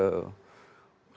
saya tidak mengerti